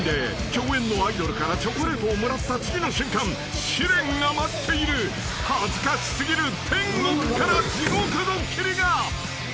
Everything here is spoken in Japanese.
共演のアイドルからチョコレートをもらった次の瞬間試練が待っている恥ずかし過ぎる天国から地獄ドッキリが］